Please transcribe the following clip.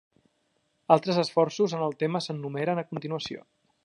Altres esforços en el tema s'enumeren a continuació.